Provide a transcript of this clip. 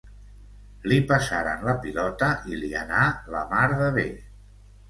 Li passaren la pilota i li anà la mar de bé.